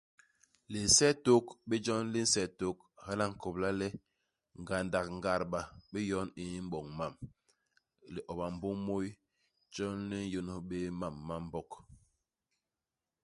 Lisetôk bé jon li nse tôk, hala a nkobla le, ngandak ngadba bé yon i m'boñ mam, lioba mbôm i môy jon li n'yônôs bé mam ma Mbog.